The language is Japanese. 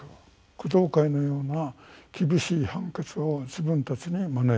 工藤会のような厳しい判決を自分たちに招いてしまう。